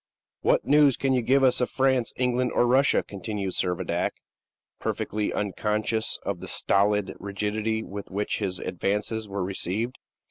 "What news can you give us of France, England, or Russia?" continued Servadac, perfectly unconscious of the stolid rigidity with which his advances were received.